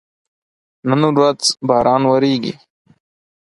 نن ورځ باران وریږي